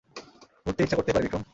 ঘুরতে ইচ্ছা করতেই পারে, বিক্রম!